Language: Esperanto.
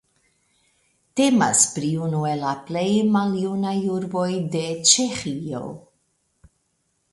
Temas pri unu el la plej maljunaj urboj en Ĉeĥio.